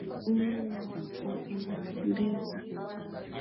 Ua linaoendeza.